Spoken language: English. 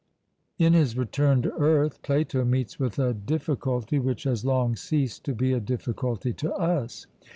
In his return to earth Plato meets with a difficulty which has long ceased to be a difficulty to us.